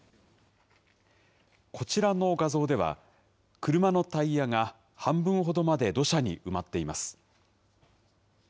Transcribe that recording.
こちらの画像では、車のタイヤが半分ほどまで土砂に埋まっています。